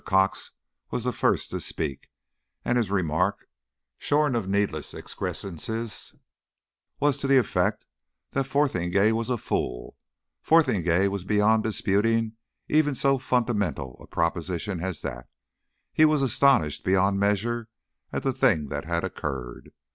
Cox was the first to speak, and his remark, shorn of needless excrescences, was to the effect that Fotheringay was a fool. Fotheringay was beyond disputing even so fundamental a proposition as that! He was astonished beyond measure at the thing that had occurred.